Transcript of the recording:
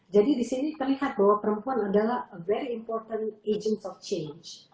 jadi di sini terlihat bahwa perempuan adalah very important agent of change